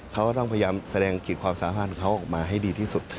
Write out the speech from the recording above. เขาก็ต้องพยายามแสดงขีดความสามารถเขาออกมาให้ดีที่สุด